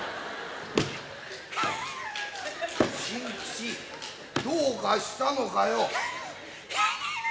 師匠がどうかしたのかよ。